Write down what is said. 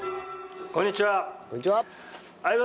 こんにちは！